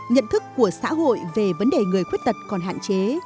nhận thức của xã hội về vấn đề người khuyết tật còn hạn chế